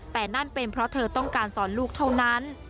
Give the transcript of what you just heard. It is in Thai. แต่นั่นเป็นเพราะเธอต้องการสอนลูกเท่านั้น